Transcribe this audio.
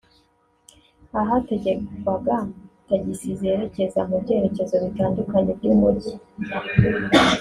ahategerwaga tagisi zerekeza mu byerekezo bitandukanye by’umujyi